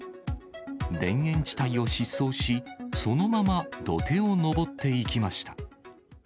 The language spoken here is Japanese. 田園地帯を疾走し、そのまま土手を上っていきました。